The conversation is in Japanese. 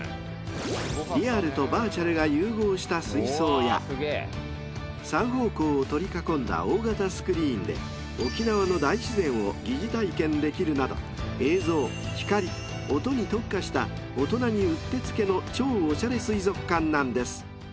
［リアルとバーチャルが融合した水槽や３方向を取り囲んだ大型スクリーンで沖縄の大自然を疑似体験できるなど映像光音に特化した大人にうってつけの超おしゃれ水族館なんです］